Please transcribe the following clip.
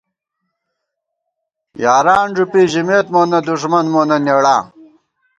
یاران ݫُوپی ژِمېت مونہ دُݭمن مونہ نېڑاں